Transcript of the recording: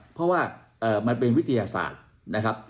เพราะว่ามันเป็นวิทยาศาสตร์นะครับ